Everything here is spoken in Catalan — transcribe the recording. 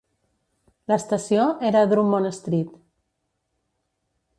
L'estació era a Drummond Street.